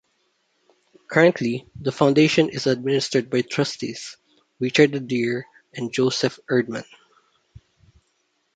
Currently, the Foundation is administered by Trustees, Richard Ader, and Joseph Erdman.